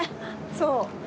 そう。